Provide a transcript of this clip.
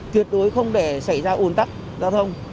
tuyệt đối không để xảy ra ồn tắc giao thông